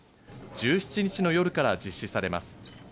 １７日の夜から実施されます。